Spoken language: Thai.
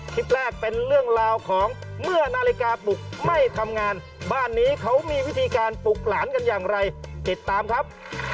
คลิปแรกเป็นเรื่องราวของเมื่อนาฬิกาปลุกไม่ทำงานบ้านนี้เขามีวิธีการปลุกหลานกันอย่างไรติดตามครับ